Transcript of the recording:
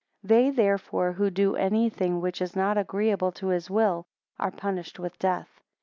21 They therefore who do any thing which is not agreeable to his will, are punished with death.